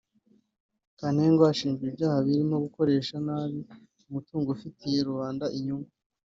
Kantengwa ashinjwa ibyaha birimo gukoresha nabi umutungo ufitiye rubanda inyungu